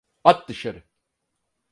At dışarı!